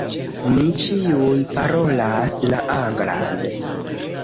Ni ĉiuj parolas la anglan.